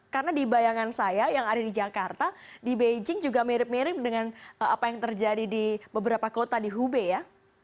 karena di bayangan saya yang ada di jakarta di beijing juga mirip mirip dengan apa yang terjadi di beberapa kota di hubei ya